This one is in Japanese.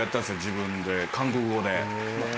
自分で韓国語で。